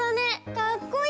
かっこいい！